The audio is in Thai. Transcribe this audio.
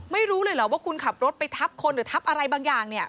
ไม่รู้เลยเหรอว่าคุณขับรถไปทับคนหรือทับอะไรบางอย่างเนี่ย